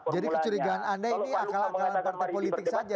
jadi kecurigaan anda ini akal akalan partai politik saja nih